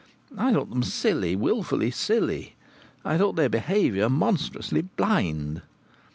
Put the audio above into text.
I thought them silly, wilfully silly. I thought their behaviour monstrously blind.